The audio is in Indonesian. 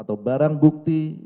atau barang bukti